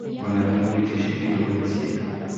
ملالۍ وویل چې شهیده به نه سي.